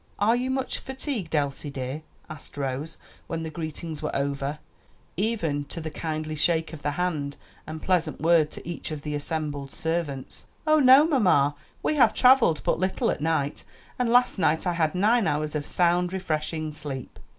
"Are you much fatigued, Elsie dear?" asked Rose, when the greetings were over, even to the kindly shake of the hand and pleasant word to each of the assembled servants. "Oh, no, mamma, we have traveled but little at night, and last night I had nine hours of sound, refreshing sleep."